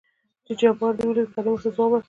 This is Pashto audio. چې جبار دې ولېد؟ کريم ورته ځواب ورکړ.